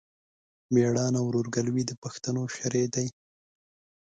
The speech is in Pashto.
مېړانه او ورورګلوي د پښتنو شری دی.